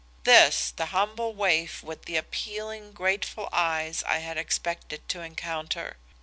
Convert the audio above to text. This, the humble waif with the appealing grateful eyes I had expected to encounter?